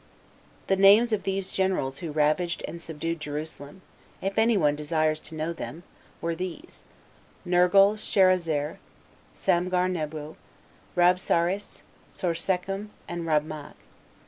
The names of these generals who ravaged and subdued Jerusalem, if any one desire to know them, were these: Nergal Sharezer, Samgar Nebo, Rabsaris, Sorsechim, and Rabmag.